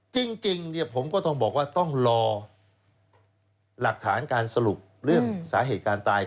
จริงผมก็ต้องบอกว่าต้องรอหลักฐานการสรุปเรื่องสาเหตุการณ์ตาย